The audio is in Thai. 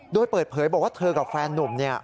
โดยเปิดเผยบอกว่าเธอกับแฟนนุ่มเนี่ย